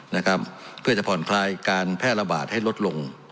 นะครับเพื่อจะผ่อนคลายการแพร่ระบาดให้ลดลง